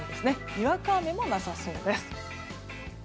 にわか雨もなさそうです。